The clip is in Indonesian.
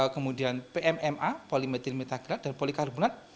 kemudian pmma polimetil metagrad dan polikarbonat